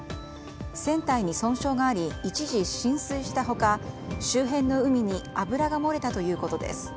船体に損傷があり一時浸水した他周辺の海に油が漏れたということです。